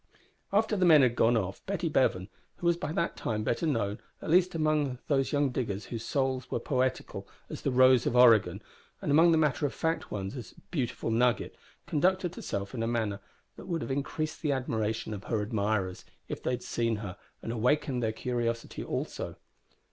After the men had gone off, Betty Bevan who was by that time better known, at least among those young diggers whose souls were poetical, as the Rose of Oregon, and among the matter of fact ones as the Beautiful Nugget conducted herself in a manner that would have increased the admiration of her admirers, if they had seen her, and awakened their curiosity also.